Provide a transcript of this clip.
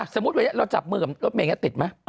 สมมุติวันนี้เราจับมือกับรถเมย์ติดไหม